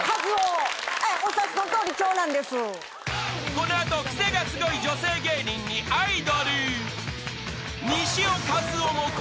［この後クセがスゴい女性芸人にアイドル］